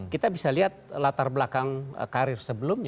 kita bisa lihat latar belakang karir sebelumnya